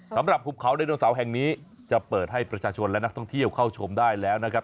หุบเขาไดโนเสาร์แห่งนี้จะเปิดให้ประชาชนและนักท่องเที่ยวเข้าชมได้แล้วนะครับ